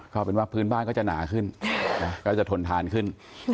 ก็เป็นว่าพื้นบ้านก็จะหนาขึ้นก็จะทนทานขึ้น